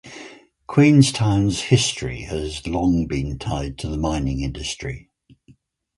Queenstown's history has long been tied to the mining industry.